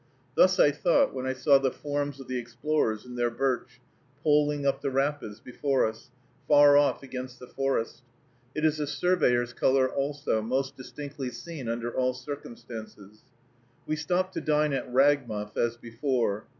Thus I thought when I saw the forms of the explorers in their birch, poling up the rapids before us, far off against the forest. It is the surveyor's color also, most distinctly seen under all circumstances. We stopped to dine at Ragmuff, as before.